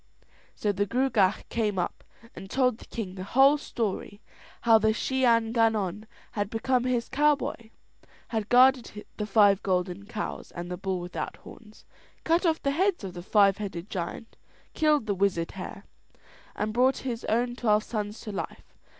So the Gruagach came up and told the king the whole story, how the Shee an Gannon had become his cowboy, had guarded the five golden cows and the bull without horns, cut off the heads of the five headed giant, killed the wizard hare, and brought his own twelve sons to life.